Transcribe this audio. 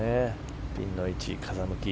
ピンの位置、風向き。